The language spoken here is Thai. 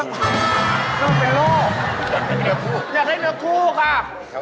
คุณมันเป็นโลกอยากได้เนื้อคู่ค่ะ